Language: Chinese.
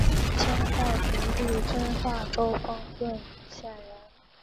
清代直隶遵化州丰润县人。